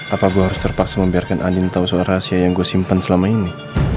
apa gue harus terpaksa membiarkan andin tahu soal rahasia yang gue simpan selama ini